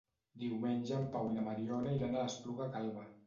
Diumenge en Pau i na Mariona iran a l'Espluga Calba.